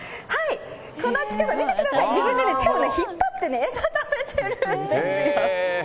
こんな近く、見てください、自分で手を引っ張って餌食べてるんですよ。